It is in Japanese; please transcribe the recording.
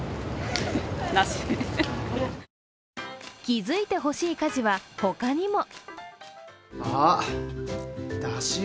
気付いてほしい家事は、他にも。